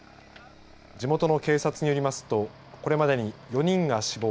地元の警察によりますとこれまでに４人が死亡